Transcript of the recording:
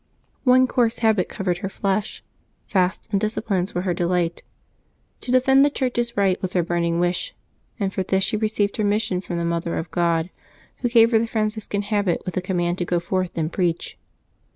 One coarse habit covered her flesh; fasts and disciplines were her delight. To defend the Church's rights was her burning wish, and for this she received her mission from the Mother of God, who gave her the Franciscan habit, with the command to go forth and preach.